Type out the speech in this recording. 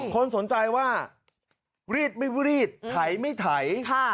คนสนใจว่ารีดไม่รีดถ่ายไม่ถ่าย